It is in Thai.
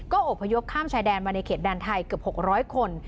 อบพยพข้ามชายแดนมาในเขตแดนไทยเกือบ๖๐๐คน